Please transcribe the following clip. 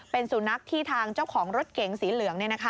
เป็นสุนัขที่ทางเจ้าของรถเก๋งสีเหลือง